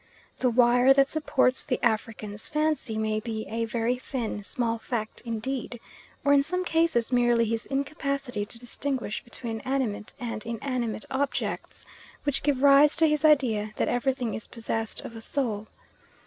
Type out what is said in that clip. The wire that supports the African's fancy may be a very thin, small fact indeed, or in some cases merely his incapacity to distinguish between animate and inanimate objects, which give rise to his idea that everything is possessed of a soul.